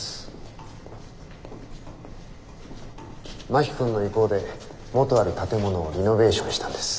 真木君の意向で元ある建物をリノベーションしたんです。